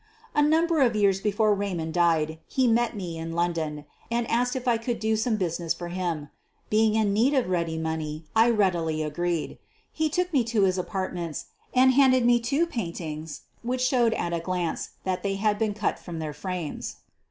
A number of years before Raymond died he met me in London and asked if I could do some business for him. Being in need of ready money, I readily agreed. He took me to his apartments and handed me two paintings which showed at a glance that they had been cut from their frames.